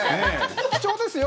貴重ですよ